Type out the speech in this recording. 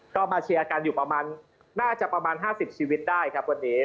ก็มาเชียร์กันอยู่ประมาณน่าจะประมาณ๕๐ชีวิตได้ครับวันนี้